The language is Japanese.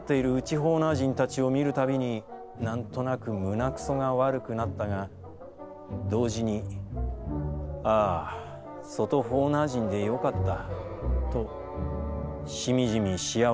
ホーナー人たちを見るたびに何となく胸糞がわるくなったが、同時に、ああ外ホーナー人でよかったとしみじみ幸せをかみしめた」。